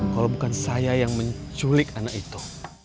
kalau bukan saya yang menculik anak itu